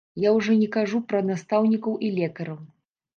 Я ўжо не кажу пра настаўнікаў і лекараў.